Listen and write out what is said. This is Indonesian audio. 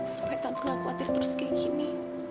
supaya tak pernah khawatir terus kayak gini